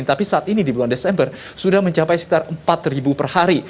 tapi saat ini di bulan desember sudah mencapai sekitar empat per hari